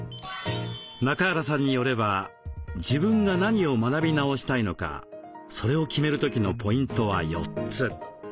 中原さんによれば自分が何を学び直したいのかそれを決める時のポイントは４つ。